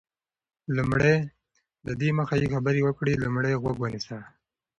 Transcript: لومړی: ددې دمخه چي خبري وکړې، لومړی غوږ ونیسه.